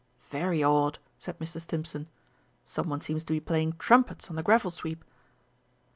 "Very odd," said Mr. Stimpson, "some one seems to be playing trumpets on the gravel sweep!"